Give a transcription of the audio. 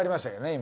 今。